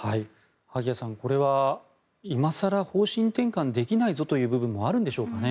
萩谷さん、これは今更方針転換できないぞという部分もあるんでしょうかね。